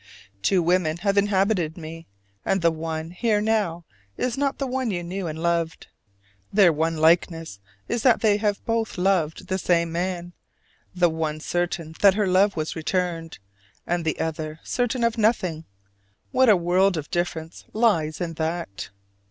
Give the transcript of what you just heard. Two women have inhabited me, and the one here now is not the one you knew and loved: their one likeness is that they both have loved the same man, the one certain that her love was returned, and the other certain of nothing. What a world of difference lies in that!